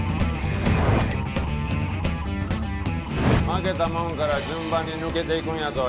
負けたもんから順番に抜けていくんやぞ。